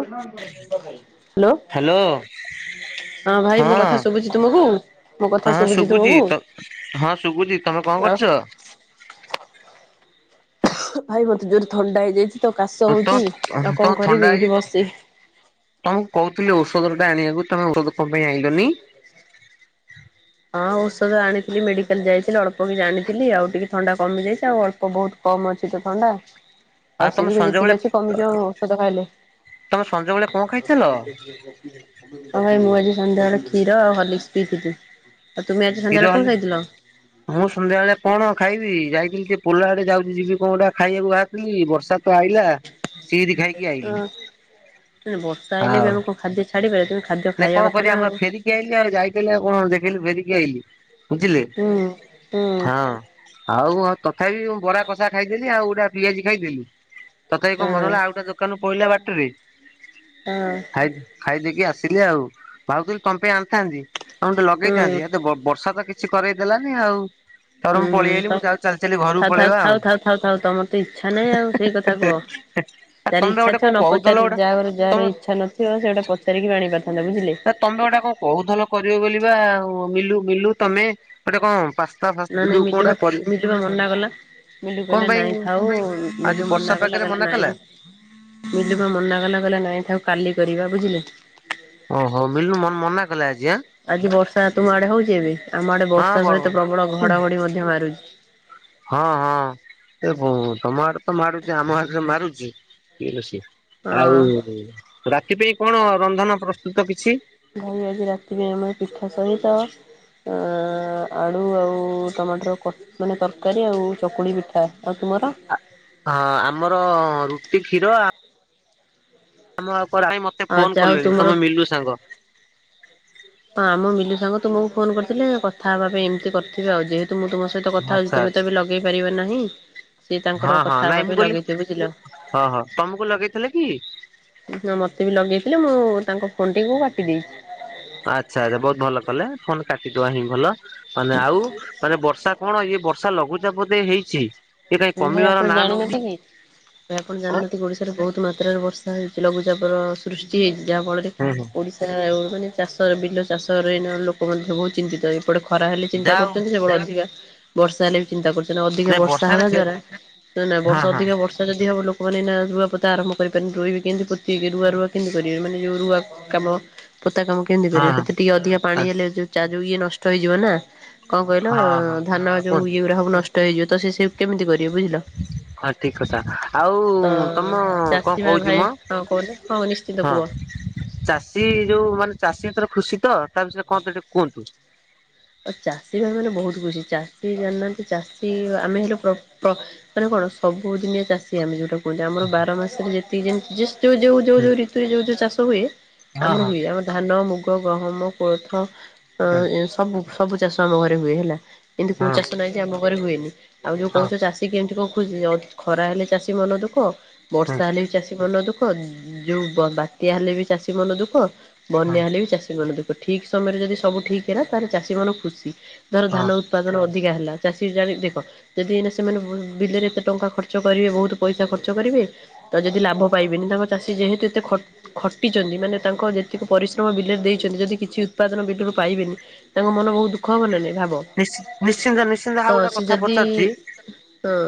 Hello [unintelligible] hello. Hello ହଁ ଭାଇ ମୋ କଥା ଶୁଭୁଚି ତୁମକୁ, ମୋ କଥା ହଁ ଶୁଭୁଚି ଶୁଭୁଛି ତୁମକୁ? ତ ହଁ ଶୁଭୁଛି ତମେ କଣ ଆଉ କରୁଚ? ଭାଇ ମୋତେ ଜୋରେ ଥଣ୍ଡା ହେଇଯାଇଚି ତ କାଶ ତ ହଉଚି ଆଉ ତମ କଣ ଥଣ୍ଡା କରିବି ଏଇଠି ହେଇଛି ବସିଚି। ତମକୁ କହୁଥିଲି ଔଷଧ ଟା ଆଣିବାକୁ ତମେ ଔଷଧ କଣ ପାଇଁ ଆଇଁଲନି? ହଁ ଔଷଧ ଆଣିଥିଲି ମେଡିକାଲ ଯାଇଥିଲି ଅଳ୍ପ କିଛି ଆଣିଥିଲି ଆଉ ଟିକେ ଥଣ୍ଡା କମିଯାଇଚି ଆଉ ଅଳ୍ ପ ବହୁତ୍ କମ୍ ଅଛି ତ ଥଣ୍ଡା ଆଉ ତମେ ସେ ବି ସଞ୍ଜବେଳେ ଯେତିକି ଅଛି କମିଯାଉ ଔଷଧ ଖାଇଲେ। ତମେ ସଞ୍ଜବେଳେ କଣ୍ ଖାଇଥିଲ? [unintelligible] ହଁ ଭାଇ ମୁଁ ଆଜି ସନ୍ଧ୍ୟାବେଳେ କ୍ଷୀର ଆଉ ହର୍ଲିକ୍ସ୍ ପିଇିଥିଲି। ଆଉ ତୁମେ ଆଜି କ୍ଷୀର ସନ୍ଧ୍ୟାବେଳେ ହେଲେ କଣ ଖାଇଥିଲ? ମୁଁ ସନ୍ଧ୍ୟାବେଳେ କଣ ଖାଇବି ଯାଇଥିଲି ସେ ପୋଲ ଆଡେ ଯାଉଚି ଯିବି କଣ୍ ଗୋଟେ ଖାଇବାକୁ ବାହାରଥିଲି ବର୍ଷା ତ ଆଇଲା ସିଦି ଖାଇକି ଆଇଲି ଅ ବର୍ଷା ହେଲେ ବି ଆଉ ଆମେ ଖାଦ୍ୟ ଛାଡିବେ କିନ୍ତୁ ଖାଦ୍ୟ ନା ଖାଇବା କଣ କଥା କରିବା ଆଉ ଆମର ଫେରିକି ଆଇଲି ଆଉ ଯାଇଥିଲି ଆଉ କଣ ଦେଖିଲି ଫେରିକି ଆଇିଲି। ବୁଝିଲେ। ହୁଁ ହୁଁ। ଆଉ ତଥାପି ମୁଁ ବରା କଷା ଖାଇଥିଲି ଆଉ ଗୋଟେ ପିଆଜି ଖାଇଥିଲି। ତଥାପି କଣ ମନ ହେଲା ଆଉ ହଁ ଗୋଟେ ଦୋକାନ ପଇଲା ବାଟରେ ହଁ। ଖାଇ ଖାଇଦେଇକି ଆସିଲି ଆଉ ଭାବୁଥିଲି ତମ ପାଇଁ ଆଣିଥାନ୍ତି ଫୋନ୍ ଟେ ହୁଁ ଲଗେଇଥାନ୍ତି ଏ ତ ବ ବର୍ଷା ତ କିଛି କରେଇ ଦେଲାନି ଆଉ। ତର ହୁଁ ମୁଁ ପଳେଇ ହୁଁ ଆଇଲି ତ ମୁଁ ଚାଲି ଚାଲି ଘରକୁ ଥାଉ ଥାଉ ପଳେଇବା ଆଉ। ଥାଉ ଥାଉ ଥାଉ ଥାଉ ତମର ତ ହେଁ -ହେଁ -ହେଁ। ହେ। ଯାର ଇଚ୍ଛା ଥିବ ନ ପଚାରି ଯା ତମ ଯାହାର ଇଚ୍ଛା ନଥିବ ସେ ଗୋଟା ନପଚାରିକି ଆଣି ପାରିଥାନ୍ତେ ବୁଝିଲେ। ଆ ତମେ ପା ଗୋଟେ କଣ କହୁଥିଲ କରିବ ବୋଲି ବା ମିଲୁ ମିଲୁ ତମେ ଗୋଟେ କଣ୍ ପା ନା ନାଇଁ ମିଲୁ ମିଲୁ ବା ମନାକଲା। ମିଲୁ କଣ କହିଲେ ପାଇଁ ନାଇଁ ଥାଉ ଆଜି ମିଲୁ ବର୍ଷା ମନା କଲା ପାଗରେ କହିଲା ମନା ନାଇଁ ମିଲୁ ପା ମନା କଲା କହିଲା ନାଇଁ ଥାଉ କାଲି କରିବା ବୁଝିଲେ। ଓହୋ ମିଲୁ ମ ମନା କଲା ଆଜି ଆଁ ଆଜି ବର୍ଷା ତୁମ ଆଡେ ହଉଚି ଏବେ ଆମ ଆଡେ ହଁ ବର୍ଷା ବ ସହିତ ପ୍ରବଳ ଘଡଘଡି ମଧ୍ୟ ମାରୁଚି। ହଁ ହଁ ତମ ଆଡେ ତ ମାରୁଚି ଆମ ଆଡେ ଯଉ ମାରୁଚି ଟିକେ ବେଶୀ। ହଁ। ଆଉ ରାତି ପାଇଁ କଣ ରନ୍ଧନ ପ୍ରସ୍ତୁତ କିଛି? ଭାଇ ଆଜି ରାତିରେ ଆମର ପିଠା ସହିତ ଏଁ ଆଳୁ ଆଉ ଟମାଟର କ ମାନେ ତରକାରୀ ଆଉ ଚକୁଳି ପିଠା। ଆଉ ତୁମର? ଆ ହଁ ଆମର ରୁଟି, କ୍ଷୀର ଆ ଆମ [unintelligible] ମତେ ଫୋନ୍ ଆଚ୍ଛା ଆଉ କଲେଣି ତୁମର ତମେ ମିଲୁ ସାଙ୍ଗ। ହଁ ଆମ ମିଲୁ ସାଙ୍ଗ ତୁମକୁ ଫୋନ କରିଥିଲେ କଥା ହବା ପାଇଁ ଏମିତି କରିଥିବେ ଆଉ ଯେହେତୁ ମୁଁ ତମ ସ ସହିତ କଥା ହଉଚି ଆଚ୍ଛା ତୁମେ ଆଚ୍ଛା ତ ଏବେ ଲଗେଇ ପାରିବ ନାହିଁ ସିଏ ହଁ ତାଙ୍କର ହଁ କଥା ନାଇଁ ହେବା ମୁଁ ପାଇଁ କହିଲି ଲଗେଇଥିବ ବୁଝିଲ। ହଁ ହଁ ତମକୁ ଲଗେଇଥିଲେ କି? ହଁ ମତେ ବି ଲଗେଇଥିଲେ ମୁଁ ତାଙ୍କ ଫୋନ୍ ଟିକୁ କାଟି ଦେଇଚି। ଆଚ୍ଛା ଆଚ୍ଛା ବହୁତ୍ ଭଲ କଲେ ଫୋନ୍ କାଟିଦବା ହିଁ ଭଲ ମାନେ ଆଉ ତାହେଲେ ବର୍ଷା କଣ ଏ ବର୍ଷା ଲଘୁଚାପ ବୋଧେ ହେଇଚି। ଭାଇ ଆପଣ ଜାଣିଚନ୍ତି କି ଭାଇ ଆପଣ ଜାଣିନାହାନ୍ତି ଓଡିଶା ଏଥର ବହୁତ ମାତ୍ରାରେ ବର୍ଷା ହେଉଚି ଲଘୁଚାପର ସୃଷ୍ଟି ହେଇଚି ଯାହାଫଳରେ ଓଡ଼ିଶା ଆଉ ମାନେ ଚାଷର ବିଲ ଚାଷ ରେ ଲୋକ ମଧ୍ୟ ବହୁତ ଚିନ୍ତିତ। ସେପଟେ ଖରା ହେଲେ ବି ଚିନ୍ତା ଯାହା କରୁଛନ୍ତି ସେଟେ ଅଧିକ ବର୍ଷା ହେଲେ ବି ଚିନ୍ତା କରୁଛନ୍ତି ଅଧିକ ହଉ ବର୍ଷା ବର୍ଷା ବର୍ଷାରେ ହେବା ଦ୍ଵାରା ବର୍ଷ ହଁ ହଁ ଅଧିକ ବର୍ଷା ବର୍ଷା ଯଦି ହବ ଲୋକମାନେ ଏଇନା ରୁଆପୋତା ଆରମ୍ଭ କରିିପାରିନି। ରୁଇବେ କେମତି ପୋତିକି ରୁଆ ରୁଆ କେମିତି କରିବେ ଏ ମାନେ ଯୋଉ ରୁଆ କାମ ପୋତା କାମ କେମିତି କରିବେ। ହଁ ସେଥିରେ ଟିକେ ଅଧିକା ପାଣି ହଁ। ହେଲେ ଯୋଉ ଚା ଯୋଉ ଇଏ ନଷ୍ଟ ହେଇଯିବ ନା। କଣ କହିଲ ହଁ ହଁ ଧାନ ଯୋଉ କୁହନ୍ତୁ ଇଏ ଗୁଡା ସବୁ ନଷ୍ଟ ହେଇଯିବ ତ ସେ ସେ କେମିତି କରିବେ ବୁଝିଲ। ହଁ ଠିକ୍ କଥା ଆଉ ତ ତୋମ କଣ ଚାଷୀ ମା କହୁଛି ଭାଇ ମୋ ହଁ କହୁନା ନିଶ୍ଚିନ୍ତ କୁହ। ହଁ, ଆଉ ଚାଷୀ ଯୋଉ ମାନେ ଚାଷୀ ଏନ୍ତର ଖୁସି ତ ତା ବିଷୟରେ କଣ ତ ଟିକେ କୁହନ୍ତୁ। ଆ ଚାଷୀ ଭାଇ ମାନେ ବହୁତ ଖୁସି, ଚାଷୀ ଜାଣିନାହାନ୍ତି ଚାଷୀ ଆମେ ହେଲେ ପ୍ର-ପ ମାନେ କଣ ସବୁଦିନିଆ ଚାଷ ସେ ଆମେ ଯୋଉଟା କୁହଛୁ, ଆମର ବାର ମାସରେ ଯେତିକି ଯେମ ଯେସ ଯୋଉ ଯୋଉ ଯୋଉ ହଁ ଯୋଉ ଋତୁରେ ଯୋଉ ଯୋଉ ଚାଷ ହୁଏ। ଆମର ହଁ ହୁଏ ଆମର ଧାନ, ମୁଗ, ଗହମ, କୋଳଥ ଅ, ହଁ ଇଏ ସବୁ ସବୁ ଚାଷ ଆମ ଘରେ ହୁଏ ହେଲା, ଏମିତି କୋଉ ହଁ ଚାଷ ନାହିଁ ଯେ ଆମ ଘରେ ହୁଏନି। ଆଉ ଯୋଉ ହଁ କହୁଚ ଚାଷ ସେ କେମିତି କଣ ଖୋଜୁଚ ଖରା ହେଲେ ଚାଷୀ ମନ ଦୁଃଖ। ବର୍ଷା ହେଲେ ବି ଚାଷୀ ମନ ଦୁଃଖ। ତ ଯୋଉ ବ-ବାତ୍ୟା ହେଲେ ବି ଚାଷୀ ମନ ଦୁଃଖ। ହଁ ବନ୍ୟା ହେଲେ ବି ଚାଷୀ ମନ ଦୁଃ [inaudible] ତ ଠିକ ସମୟରେ ଯଦି ସବୁ ଠିକ୍ ହେଲା ତାହେଲେ ଚାଷୀ ମନ ଖୁସି। ଧର ହଁ ଧାନ ଉତ୍ପାଦନ ଅଧିକା ହେଲା ଚାଷୀ ଜାଣି ଦେଖ ଯଦି ଏଇନା ସେମାନେ ବୁ-ବିଲରେ ଏତେ ଟଙ୍କା ଖର୍ଚ୍ଚ କରିବେ, ବହୁତ ପଇସା ଖର୍ଚ୍ଚ କରିବେ। ତ ଯଦି ଲାଭ ପାଇବେନି, ତାଙ୍କ ଚାଷୀ ଯେହେତୁ ଏତେ ଖ ଖଟିଚନ୍ତି ମାନେ ତାଙ୍କ ଯେତିକି ପରିଶ୍ରମ ବିଲରେ ଦେଇଛନ୍ତି ଯଦି କିଛି ଉତ୍ପାଦନ ବିଲରୁ ପାଇବେନି। ତାଙ୍କ ମନ ବହୁତ ଦୁଃଖ ହବ ନା ନାଇଁ। ଭାବ, ନିଶ୍ଚି ନିଶ୍ଚିନ୍ତ ନିଶ୍ଚିନ୍ତ ଆଉ ତ ଗୋଟେ ସେ କଥା ଯଦି ପଚାରୁଛି ହଁ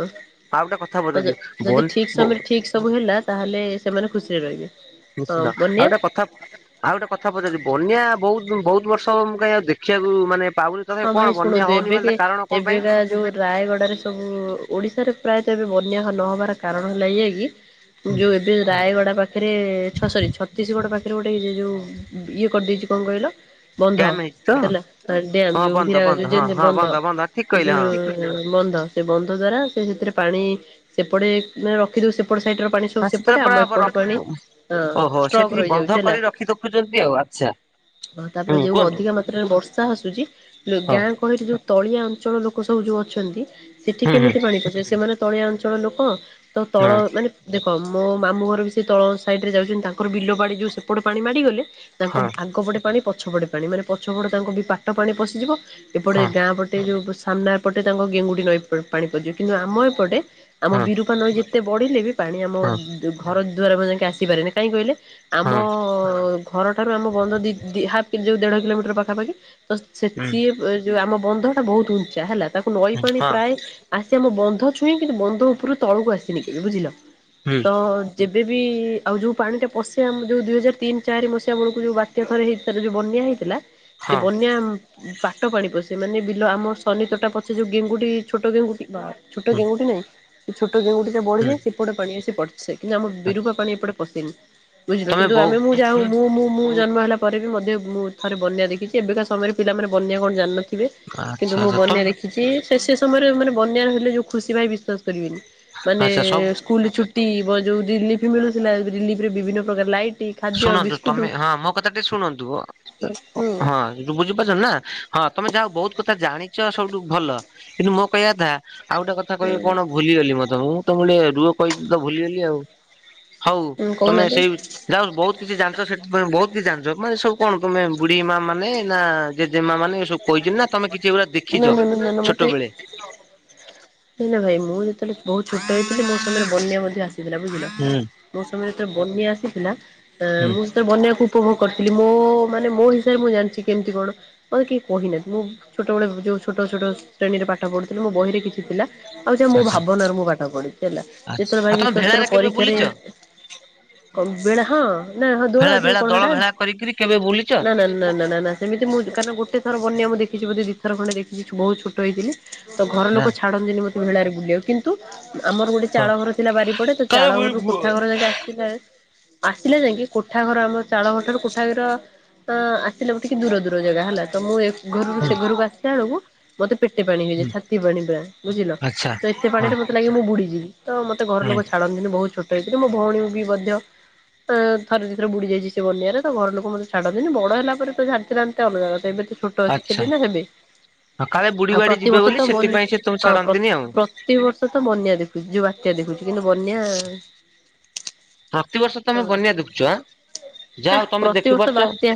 ଆଉ ଗୋଟେ କଥା ତ ପଚାରୁଛି ବନ ଯ-ଯଦି ଠିକ ବ ସମୟରେ ଠିକ ସବୁ ହେଲା ତାହେଲେ ସେମାନେ ଖୁସିରେ ରହିବେ। ନିଶ୍ଚିିତ, ହଁ ଆଉ ବନ୍ୟା ଗୋଟେ କଥା ଆଉ ଗୋଟେ କଥା ପଚାରୁଚି। ବନ୍ୟା ବଉତ ଉଁ, ବହୁତ ବର୍ଷ ହବ ମୁଁ କାଇଁ ଆଉ ଦେ ଖିବାକୁ ମାନେ ପାଉନି, ହଁ ତଥାପି ଭାଇ କଣ ବନ୍ୟା ଶୁଣନ୍ତୁ ହଉନି ମାନେ ଏବେକେ ତା କାରଣ କଣ ପାଇଁ? ଏବେକା ଯୋଉ ରାୟଗଡାରେ ସବୁ ଓଡିଶାରେ ପ୍ରାୟତ ଏବେ ବନ୍ୟା ହ- ନହବାର କାରଣ ହେଲା ଏଇଆ କି ଉଁ, ଯୋଉ ଏଡି ରାୟଗଡା ପାଖରେ ଛ- ସରି ଛତିଶଗଡ ପାଖରେ ଗୋଟେ ଇଏ ଯୋଉ ଇଏ କରିଦେଇଛି କଣ କହିଲ? ବନ୍ଧ ଡ୍ୟାମ ହେଇଛି ତ ହେଲା ଡ୍ୟାମ୍ ରେ ହଁ ଯୋଉ ବନ୍ଦ ହୀରା ବନ୍ଦ ଯୋଉ ହଁ ଯେମତି ହଁ ବନ୍ଧ, ବନ୍ଦ ବନ୍ଦ ଠିକ ତ କହିଲେ ହଁ। ସେଉଠୁ [inaudible] ବନ୍ଧ ସେ ବନ୍ଧ ଦ୍ଵାରା ସେ ସେଥିରେ ପାଣି ସେପଟେେ ନେ ରଖିଦଉ ସେପଟେ ସାଇଡ୍ ର ପାଣି ଛ ହଁ ସେତେବେଳେ ସେପଟେ ପୁରା ଆମ ବ ଏପଟେ ରଖି ପାଣି ଅ, ଓହୋ ସେଠି ଷ୍ଟ୍ରକ୍ ବନ୍ଧ ରହିଯାଉଛି ହେଲା। କରି ରଖି ଦେଖୁଛନ୍ତି ଆଉ ଆଚ୍ଛା। ଓ ତାପରେ ହୁଁ ଯୋଉ କୁହନ୍ତୁ ଅଧିକା ମାତ୍ରାରେ ବର୍ଷା ଆସୁଛି ହଁ ଲ-ଗାଁ ଗହଳିରେ ଯୋଉ ତଳିଆ ଅଞ୍ଚଳ ଲୋକ ସବୁ ଯୋଉ ଅଛନ୍ତି। ସେଠି ହୁଁ ହୁଁ କେମିତି ପାଣି ପସେ, ସେମାନେ ତଳିଆ ଅଞ୍ଚଳ ଲୋକ ତ ତଳ ମାନେ ଦେଖ ମୋ ମାମଁ ଘର ବି ସେଇ ତଳ ସାଇଡ଼ରେ ଯାଉଚନ୍ତି। ତାଙ୍କର ବିଲ ପାଣି ଯୋଉ ସେପଟ ପାଣି ମାଡ଼ିଗଲେ ତାଙ୍କ ହଁ ଆଗପଟେ ପାଣି ପଛପଟେ ପାଣି ମାନେ ପଛପଟେ ତାଙ୍କ ବି ପାଟ ପାଣି ପଶିଯିବ। ଏପଟେ ହଁ ଗାଁ ପଟେ ଯୋଉ ସାମ୍ନା ପଟେ ତାଙ୍କ ଗେଙ୍ଗୁଡି ନଈ ପା-ପାଣି ପଶିଯିବ। କିନ୍ତୁ ଆମ ଏପଟେ ଆମ ହଁ ହଁ ବିରୂପା ନଈ ଯେତେ ବଢ଼ିଲେ ବି ପାଣି ଆମ ହଁ ଦୁ-ଘର ଦୁଆର [inaudible] ଯାଙ୍କେ ଆସିପାରେନି। କାହିଁକି କହିଲେ? ଆମ ହଁ ଘର ଠାରୁ ଆମ ବନ୍ଧ ଦି ଦି ହାପ୍ କି ଯୋଉ ଦେଢ କିଲୋମିଟର ପାଖାପାଖି। ତ ସେ ହୁଁ ସିଏ ଅ, ଯୋଉ ଆମ ବନ୍ଧ ଟା ବହୁତ ଉଞ୍ଚା ହେଲା। ତାକୁ ନଈ ହୁଁ ପାଣି ହଁ ପ୍ରାୟ ଆସେ ଆମ ବନ୍ଧ ଛୁଏଁ, କିନ୍ତୁ ବନ୍ଧ ଉପରୁ ତଳକୁ ଆସିନି କେବେ ବୁଝିଲ। ହୁଁ। ତ ଯେବେ ବି ଆଉ ଯୋଉ ପାଣିଟା ପଶେ ଆମ ଯୋଉ ଦୁଇ ହଜାର ତିନି ଚାରି ମସିହା ବେଳକୁ ଯୋଉ ବା ସେ ଥରେ ହେଇ ଥରେ ଯୋଉ ବନ୍ୟା ହେଇଥିଲା ସେ ହଁ ବନ୍ୟା ଉଁ, ପାଟ ପାଣି ପଶେ, ମାନେ ବିଲ ଆମ ସନି ତୋଟା ପଛେ ଯୋଉ ଗେଙ୍ଗୁଟି ଛୋଟ ଗେଙ୍ଗୁଟି ବା ଛୋଟ ହୁଁ ଗେଙ୍ଗୁଟି ନାଇଁ, ଏ ଛୋଟ ଗେଙ୍ଗୁଟି ଟା ହୁଁ ବଢିଯାଏ, ସେପଟ ପାଣି ଆସି ପଡ୍ ଶେ। କିନ୍ତୁ ଆମ ବିରୁପା ପାଣି ଏପଟେ ପଶେନି। ବୁଝିଲ, ତମେ କିନ୍ତୁ ବୋଉ ଆମେ ମୁଁ ଯା ହଉ ମୁଁ, ମୁଁ, ମୁଁ ଜନ୍ମ ହେଲା ପରେ ବି ମଧ୍ୟ ମୁଁ ଥରେ ବନ୍ୟା ଦେଖିଛି। ଏବେକା ସମୟରେ ପିଲାମାନେ ବନ୍ୟା କଣ ଜାଣିନଥି ଥିବେ, କିନ୍ତୁ ଆଚ୍ଛା ମୁଁ ଆଚ୍ଛା ବନ୍ୟା ତମେ ଦେଖି ଛି, ସେ ସେ ସମୟରେ ମାନେ ବନ୍ୟା ର- ହେଲେ ଯୋଉ ଖୁସି ଭାଇ ବିଶ୍ୱାସ କରିବେନି। ମାନେ ଆଚ୍ଛା ସବୁ କୁଲ୍ ଛୁଟି ବ-ଯୋଉ ରିଲିଫ ମିଳୁଥିଲା, ରିଲିଫ ରେ ବିଭିନ୍ନ ପ୍ରକାର ଲାଇଟି ଶୁଣନ୍ତୁ, ତୋମେ ହଁ ମୋ କଥା ଟେ ଶୁଣନ୍ତୁ, ଅ, ଅ, ହୁଁ ହଁ ଯୋଉ ବୁଝିପାରୁଛନ୍ତି ନା, ହଁ ତୋମେ ଯା ହଉ ବହୁତ କଥା ଜାଣି ଝିଅ ସବୁଠୁ ଭଲ କିନ୍ତୁ ମୋ କହିବା କଥା ଆଉ ଗୋଟେ କଥା କହିବ କଣ ଭୁଲିଗଲି ମତେ ମୁଁ ତ ରୁଅ କହିକି ତ ଭୁଲିଗଲି ଆଉ ହଉ ହୁଁ ତମେ କହୁନାହାନ୍ତି ସେଇ ଯାହଉ ବହୁତ କିଛି ଜାଣିଛ ସେଠି ତମେ ବହୁତ କିଛି ଜାଣିଛ ମାନେ ସବୁ କଣ ତମେ ବୁଢୀ ମା ମାନେ ନା ଜେଜେ ମା ମାନେ। ସବୁ କହିଛନ୍ତି ନା ତମେ କିଛି ଏଗୁଡା ନା ଦେଖିଛ ନା ନା ଛୋଟବେଳେ। ଶୁଣ ଭାଇ ମୁଁ ଯେତେବେଳେ ବହୁତ ଛୋଟ ହେଇଥିଲି ମୋ ସମୟରେ ବନ୍ୟା ମଧ୍ୟ ଆସିଥିଲା ବୁଝିଲ। ହୁଁ। ମୋ ସମୟରେ ଯେତେବେଳେ ବନ୍ୟା ଆସିଥିଲା ତା ହୁଁ ମୁଁ ବନ୍ୟା କୁ ଉପଭୋଗ କରିଥିଲି ମୋ ମାନେ ମୋ ହିସାବରେ ମୁଁ ଜାଣିଛି କେମିତି କଣ ମତେ କହିନାନ୍ତି ମୁଁ ଛୋଟବେଳେ ଯଉ ଛୋଟ ଛୋଟ ଶ୍ରେଣୀରେ ପାଠ ପଢ଼ୁଥିଲି ମୋ ବହିରେ କିଛି ଥିଲା। ଆଉ ଯା ମୋ ଆଚ୍ଛା। ଭାବନାରେ ମୁଁ ପାଠ ପଢୁଛି ହେଲା ଆଚ୍ଛା ଯେତେବେଳେ ଆଉ ଭାଇ ତମେ ବିଶ୍ୱାସ କର ଭେଳାରେ କେବେ ପରୀକ୍ଷାରେ ବୁଲିଛ କମବେଡ଼ ହଁ। ନାଁ ହଁ ଦୋଳ ଭେଳା ଯଉ ଭେଳା କଣ ଦଳ ହେଟା ଭେଳା କରିକିରି କେବେ ବୁଲିଛ? ନା ନା ନା ନା। ଏମିତି ମୁଁ କାରଣ ଗୋଟେ ଥର ବନ୍ୟା ମୁଁ ଦେଖିଛି ଦିଥର ଖଣ୍ଡେ ଦେଖିଛି ବହୁତ ଛୋଟ ହେଇଥିଲି। ତ ଘର ଲୋକ ଛାଡନ୍ତିନି ମତେ ଭେଳାରେ ବୁଲିବାକୁ କିନ୍ତୁ ଆମର ଗୋଟେ ଚାଳ ଘର ଥିଲା ବାରିପଟେ ତ କାଳେ ଚାଳ ବୁଢୀ ଘରରୁ ହୁଁ କୋଠାଘର ଯାକେ ଆସିଲେ ଆସିଲେ ଯାଇକି କୋଠାଘର ଆମ ଚାଳଘର ଠାରୁ କୋଠାଘର ଅ ଆସିଲେ ଉଠିକି ଦୂର ଦୂର ଜାଗା ହେଲା ତ ମୁଁ ଏ ଘରରୁ ସେ ଘରକୁ ଆସିଲା ବେଳକୁ ମତେ ପେଟେ ପାଣି ହୁଁ ହେଇଯାଏ ଛାତିଏ ପାଣି ପୁରା ବୁଝିଲ ଆଚ୍ଛା ତ ଏତେ ହଁ ପାଣିରେ ମତେ ଲାଗେ ମୁଁ ବୁଡିଯିବି। ତ ମତେ ଘର ହୁଁ ଲଲୋକ ଛାଡ଼ନ୍ତିନି ବହୁତ ଛୋଟ ହେଇଥିଲି ମୋ ଭଉଣୀ ବି ମଧ୍ୟ ଥରେ ଦିଥର ବୁଡି ଯାଇଛି ସେ ବନ୍ୟାରେ ତ ଘର ଲୋକ ମତେ ଛାଡନ୍ତିନି ବଡ ହେଲା ପରେ ତ ଛାଡ଼ିଥାନ୍ତେ ଅଲଗା କଥା ଏବେ ଛୋଟ ଅଛି ଆଚ୍ଛା। ହେବି ନା ହେବେ। ହଁ କାଳେ ବୁଢୀ ଆଉ ବାଡି ଯିବେ ପ୍ରତିବର୍ଷ ତ ବୋଲି ସେଥିପାଇଁ ସେ ତମକୁ ହଁ ପ୍ର ଛାଡନ୍ତିନି ଆଉ ପ୍ରତିିବର୍ଷ ତ ତ ବନ୍ୟା ଦେଖୁଛି ଯଉ ବାତ୍ୟା ଦେଖୁଛି କିନ୍ତୁ ବନ୍ୟା ପ୍ରତିବର୍ଷ ତମେ ବନ୍ୟା ଦେଖୁଛ ଆଁ ନା ଯାହଉ ତମେ ପ୍ରତିବର୍ଷ ଦେଖିପାରୁଚ। ବାତ୍ୟା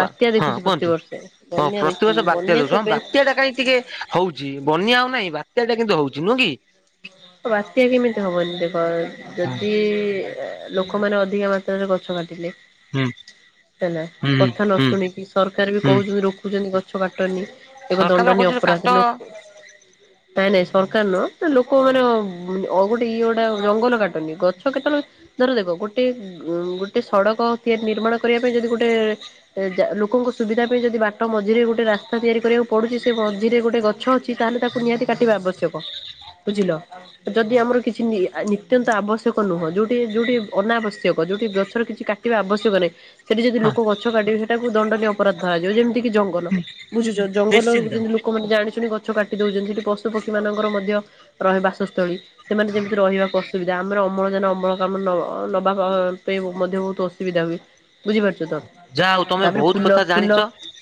ବାତ୍ୟା ଦେଖୁଛି ତ। ହଁ ପ୍ରତିବର୍ଷ ବାତ୍ୟା ଦୋଷ ହଁ ସେବେ ବାତ୍ୟା ଟା କାଇହିଁ ଟିକେ ହଉଛି ବନ୍ୟା ଆଉ ନାହିଁ ବାତ୍ୟା ଟା କିନ୍ତୁ ହଉଛି ନୁହଁ କି? ବାତ୍ୟା କେମିତି ହବନି ଦେଖ ହୁଁ ଜେମତି ଲୋକମାନେ ଅଧିକ ମାତ୍ରାରେ ଗଛ କାଟିଲେ। ହୁଁ। ହେଲା ହୁଁ କଥା ନ ହୁଁ ଶୁଣିକି ସରକାର ବି ହୁଁ। କହୁଛନ୍ତି ରୋକୁଛନ୍ତି ଗଛ କାଟନି। ଏକ ସରକାର ଦଣ୍ଡନୀୟ କହୁଛନ୍ତି କାଟ ଅପରାଧ ଲୋକ ନାଇଁ ନାଇଁ ସରକାର ନୁହ ଲୋକମାନେ ଆଉ ଗୋଟେ ଇଏ ଗୋଟେ ଜଙ୍ଗଲ କାଟନ୍ତି ଗଛ କେତେବେଳେ ଧର ଦେଖ ଗୋଟେ ଉ ଗୋଟେ ସଡକ ତିଆରି ନିର୍ମାଣ କରିବା ପାଇଁ ଯଦି ଗୋଟେ ଲୋକଙ୍କ ସୁବିଧା ପାଇଁ ଯଦି ବାଟ ମଝିରେ ଗୋଟେ ରାସ୍ତା ତିଆରି କରିବାକୁ ପଡୁଛି ସେ ମଝିରେ ଗୋଟେ ଗଛ ଅଛି। ତାହେଲେ ତାକୁ ନିହାତି କାଟିବା ଆବଶ୍ୟକ ବୁଝିଲ। ଯଦି ଆମର କିଛି ନିତ୍ୟନ୍ତ ଆବଶ୍ୟକ ନୁହଁ ଯଉଠି ଯୋଉଠି ଅନାବଶ୍ୟକ ଯୋଉଠି ଗଛର କିଛି କା କାଟିବା ଆବଶ୍ୟକ ନାହିଁ। ସେଠି ଯଦି ହଁ ଲୋକ ଗଛ କାଟିବେ ସେଟାକୁ ଦଣ୍ଡନୀୟ ଅପରାଧ ଧରାଯିବ ଯେମିତି କି ଜଙ୍ଗଲ ବୁଝୁଛ ଜଙ୍ଗଲରୁ ନିଶ୍ଚିନ୍ତ। ବିଭିନ୍ନ ଲୋକମାନେ ଜାଣିଶୁଣି ଗଛ କାଟି ଦଉଛନ୍ତି ସେଠି ପଶୁପକ୍ଷୀ ମାନଙ୍କର ମଧ୍ୟ ରହେ ବାସସ୍ଥଳୀ। ସେମାନେ ଯେମିତି ରହିବାକୁ ଅସୁବିଧା ଆମର ଅମ୍ଳଜାନ ଅମଳ କାମ ନ ନବା ପାଇଁ ମଧ୍ୟ ବହୁତ ଅସୁବିଧା ହୁଏ। ବୁଝିପାରୁଛ ତ ଯାହା ହଉ ତମେ ତାପରେ ବହୁତ ଫୁଲ କଥା ଫୁଲ ଜାଣିଛ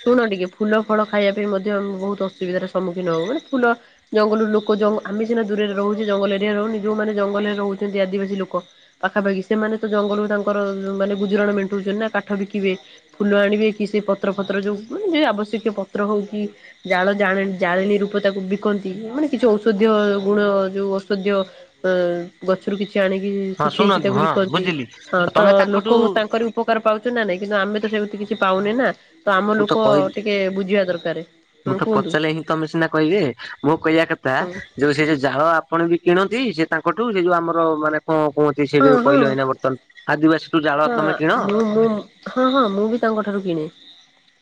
ଶୁଣ ଟିକେ ଫୁଲ ଫଳ ଖାଇବା ପାଇଁ ମଧ୍ୟ ବହୁତ ଅସୁବିଧାର ସମ୍ମୁଖୀନ ହୁଏ ଫୁଲ ଜଙ୍ଗଲରୁ ଲୋକ ଆମେ ସିନା ଦୂରରେ ଜଙ୍ଗଲ ଏରିଆରେ ରହୁନି ଯୋଉମାନେ ଜଙ୍ଗଲରେ ରହୁଛନ୍ତି ଆଦିବାସୀ ଲୋକ। ପାଖାପାଖି ସେମାନେ ତ ଜଙ୍ଗଲରୁ ତାଙ୍କର ମାନେ ଗୁଜୁରାଣ ମେଣ୍ଟଉଛନ୍ତି ନା କାଠ ବିକିବେ। ଫୁଲ ଆଣିବେ କି ସେ ପତ୍ର ପତ୍ର ଯଉ ଯେ ଆବଶ୍ୟକୀୟ ପତ୍ର ହେଉ କି ଜାଳ ଜା ଜଳେଣୀ ରୂପ ତାକୁ ବିକନ୍ତି ମାନେ କିଛି ଔଷଧୀୟ ଗୁଣ ଯଉ ଔଷଧୀୟ ଗଛରୁ କିଛି ଆଣିକି ହଁ ଶୁଖେଇକି ଶୁଣନ୍ତୁ ତାକୁ ହଁ ବିକନ୍ତି ବୁଝିଲି ହଁ ତ ତମେ ଲୋକ ତାଙ୍କଠୁ ତାଙ୍କର ଉପକାର ପାଉଛୁ ନା ନାଇ କିନ୍ତୁ ଆମେ ତ ସେମିତି କିଛି ପାଉନେ ନା। ତ ଆମ ମୁଁ ଲୋକ କହିଲି ଟିକେ ବୁଝିବା ଦରକାର ମୁଁ ହୁଁ ତ କୁହନ୍ତୁ। ପଚାରିଲେ ହିଁ ତମେ ସିନା କଇବେ ମୁଁ କଇବା କଥା ହଁ ଯୋଉ ସେ ଯୋଉ ଜାଳ ଆପଣ ବି କିଣନ୍ତି ସେ ତାଙ୍କଠୁ ସେଇ ଯୋଉ ଆମର ମାନେ କଣ କୁଅଁ ନ୍ତି ସେ ଯୋଉ ହଁ। କଇଲ ଏଇନା ବର୍ତ୍ତମାନ ଆଦିବାସି ଟୁ ଜାଳ ହଁ ତମେ ହଁ କିଣ? ମୁଁ ମ୍ ହଁ ହଁ ମୁଁ ବି ତାଙ୍କ ଠାରୁ କିଣେ।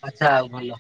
ଆଚ୍ଛା ଆଉ ଭଲ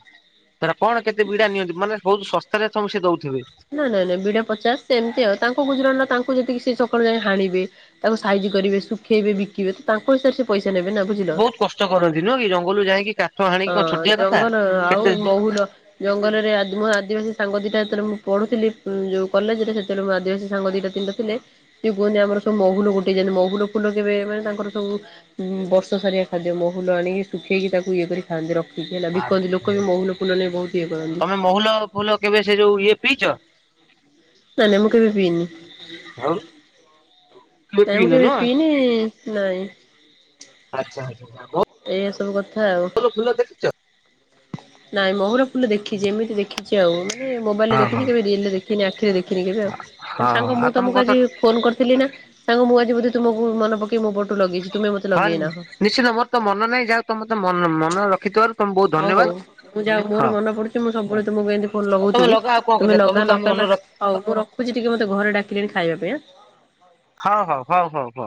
ତାର କଣ କେତେ ବିଡା ନିଅନ୍ତି? ମାନେ ବହୁତୁ ଶସ୍ତାରେ ତମେ ସିଏ ଦଉଥିବେ। ନାଇଁ ନାଇଁ ନାଇଁ ବିିଡ଼ା ପଚାଶ ଏମିତି ଆଉ ତାଙ୍କ ଗୁଜୁରାଣ ନା ତାଙ୍କୁ ଯେତିକି ସିଏ ସକାଳୁ ଯାଇ ହାଣିବେ। ତାକୁ ସାଇଜି କରିବେ ଶୁଖେଇବେ ବିକିବେ ତ ତାଙ୍କ ହିସାବରେ ସେ ପଇସା ନେବେ ନା ବୁଝିଲ। ଚ କରନ୍ତି ନୁଅଁ କି ଜଙ୍ଗଲରୁ ଯାଇକି କା ହଁ ଜଙ୍ଗଲ ଆଉ ମହୁଲ ଜଙ୍ଗଲରେ ଆଦିମ ମୋ ଆଦିବାସୀ ସାଙ୍ଗ ଦିଟା ଯେତଳେ ମୁଁ ପଢୁଥିଲି ଯୋଉ କଲେଜ ରେ ସେ ତଳେ ମୋ ଆଦିବାସୀ ସାଙ୍ଗ ଦିଟା ତିନ ଟା ଥିଲେ। ସେ କୁହନ୍ତି ଆମର ସବୁ ମହୁଲ ଗୋଟେଇ ଯାଆନ୍ତି ମହୁଲ ଫୁଲ କେବେ ମାନେ ତାଙ୍କର ସବୁ ଉଁ ବର୍ଷ ସାରିଆ ଖାଦ୍ୟ ମହୁଲ ଆଣିକି ଶୁଖେଇକି ତାକୁ ଇଏ କରି ଖଆନ୍ତି ରଖିକି ହେଲା ବିକନ୍ତି ଲୋକ ବି ମହୁଲ ଫୁଲ ନେଇ ବହୁତ ଇଏ କରନ୍ତି। ତମେ ମହୁଲ ଫୁଲ କେବେ ସେ ଯୋଉ ଇଏ ପିଇଚ? ନାଇଁ ନାଇଁ ମୁଁ କେବେ ପିଇନି। ଆଉ। ନାଇଁ ମୁଁ କେବେ ପିଇନି ନାଇଁ। ଆଚ୍ଛା ଆଚ୍ଛା ବୋ ଏଇଆ ସବୁ କଥା ଆଉ। ବଉଳ ଫୁଲ ଦେଖିଚ? ନାଇଁ ମହୁର ଫୁଲ ଦେଖିଚି ଏମିତି ଦେ ଖିଚି ଆଉ ମାନେ ମୋବାଇଲ ରେ ହଁ ହଁ ଦେଖିଚି କେବେ ରିଏଲରେ ଦେଖିନି ଆଖିରେ ଦେଖିନି କେବେ ତମ ହଁ ସାଙ୍ଗ ଆଉ ମୁଁ ତମ ତମକୁ କଥା ଆଜି ଫୋନ କରିଥିଲି ନା ସାଙ୍ଗ ମୁଁ ଆଜି ବୋଧେ ତୁମକୁ ମନ ପକେଇ ମୋ ପଟୁ ଲଗେଇଚି ତୁମେ ମତେ ଲଗେଇନାହଁ। ନିଶ୍ଚିନ୍ତ ମୋର ତ ମନର ନାହିଁ ଯାହା ହଉ ତମର ତ ମନ ମନ ରଖିଥିବାରୁ ତମେ ବହୁତ ହଉ ହଉ ଧନ୍ୟବାଦ ମୁଁ ଯା ହଉ ମୋର ହଁ। ମନ ପଡୁଚି ମୁଁ ସବୁବେଳେ ତୁମକୁ ଏମିତି ଫୋନ୍ ଆଉ ତମେ ଲଗଉଥିବି। ଲଗାଅ ଆଉ କଣ କରିବା ତୁମେ ତମେ ଲଗା ତ ଆମ ମନେ ନକଲା ରଖ ହଉ ମୁଁ ରଖୁଚି ଟିକେ ମତେ ଘରେ ଡାକିଲେଣି ଖାଇବା ପାଇଁଁ ଆଁ। ହଉ ହଉ ହଉ ହଉ ହଉ।